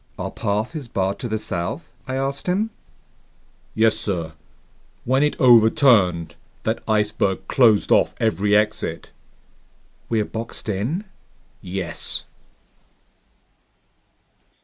"Our path is barred to the south?" I asked him. "Yes, sir. When it overturned, that iceberg closed off every exit." "We're boxed in?" "Yes."